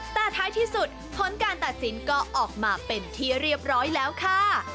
แต่ท้ายที่สุดผลการตัดสินก็ออกมาเป็นที่เรียบร้อยแล้วค่ะ